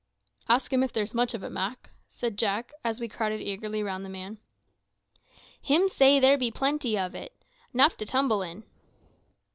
"Ask him if there's much of it, Mak," said Jack, as we crowded eagerly round the man. "Hims say there be great plenty ob it 'nuff to tumble in."